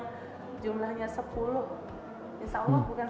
galap tapi gak